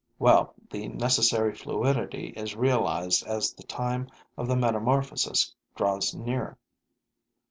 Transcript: Well, the necessary fluidity is realized as the time of the metamorphosis draws near.